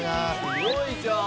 すごいじゃん！